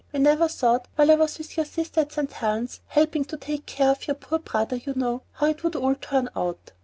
we never thought while I was with your sister at St. Helen's, helping to take care of your poor brother, you know, how it would all turn out.